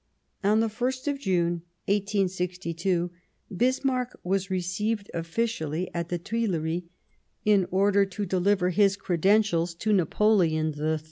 On the ist of June, 1862, Bismarck was received ofiicially at the Tuileries in order to deliver his credentials to Napoleon III.